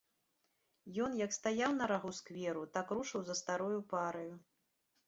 Ён, як стаяў на рагу скверу, так рушыў за старою параю.